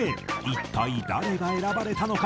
一体誰が選ばれたのか？